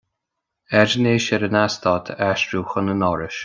Airnéis ar an Eastát a aistriú chun an Fhorais.